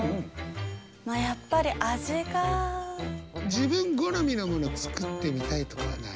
自分好みのもの作ってみたいとかはない？